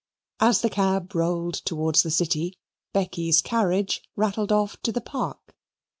As the cab rolled towards the City, Becky's carriage rattled off to the park.